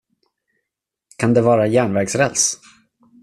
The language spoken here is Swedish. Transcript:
Kan det vara järnvägsräls?